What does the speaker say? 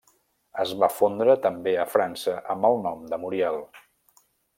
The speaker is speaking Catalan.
Es va fondre també a França amb el nom de Muriel.